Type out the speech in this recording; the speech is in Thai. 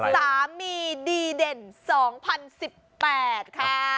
สามีดีเด่น๒๐๑๘ค่ะ